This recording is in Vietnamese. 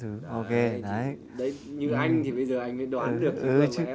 như anh thì bây giờ anh đoán được